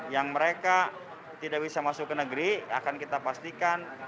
yang mereka tidak bisa masuk ke negeri akan kita pastikan